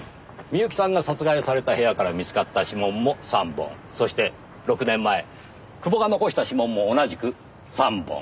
深雪さんが殺害された部屋から見つかった指紋も３本そして６年前久保が残した指紋も同じく３本。